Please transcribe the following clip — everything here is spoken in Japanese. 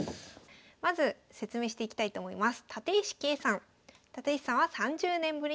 まず説明していきたいと思います。